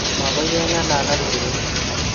mokoi keng'alal ak urerik.